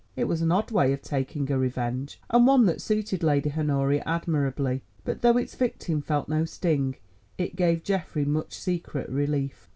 It was an odd way of taking a revenge, and one that suited Lady Honoria admirably; but though its victim felt no sting, it gave Geoffrey much secret relief.